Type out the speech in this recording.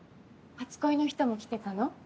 初恋の人も来てたの？